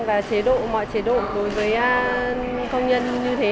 và mọi chế độ đối với công nhân như thế